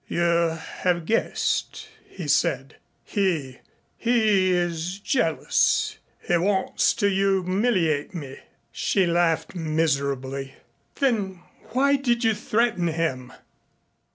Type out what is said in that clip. "You have guessed," he said. "He he is jealous. He wants to humiliate me." She laughed miserably. "Then why did you threaten him?"